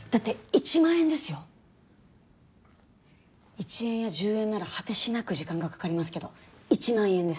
１円や１０円なら果てしなく時間がかかりますけど１万円です。